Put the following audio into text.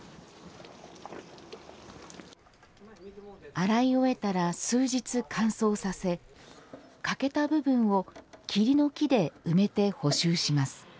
洗い終えたら数日乾燥させ欠けた部分を桐の木で埋めて補修します